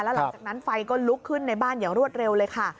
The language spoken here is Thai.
หลังจากนั้นไฟก็ลุกขึ้นในบ้านอย่างรวดเร็วเลยค่ะ